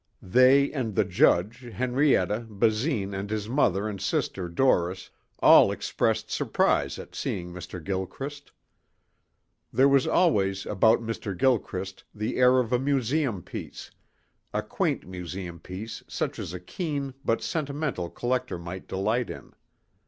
They and the judge, Henrietta, Basine and his mother and sister Doris all expressed surprise at seeing Mr. Gilchrist. There was always about Mr. Gilchrist the air of a museum piece a quaint museum piece such as a keen but sentimental collector might delight in.